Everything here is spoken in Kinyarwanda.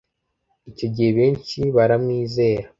icyo gihe benshi baramwizera